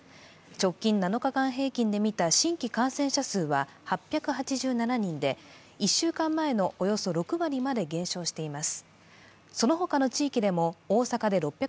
直近７日間平均で見た新規感染者数は８８７人で１週間前のおよそ６割まで減少しています。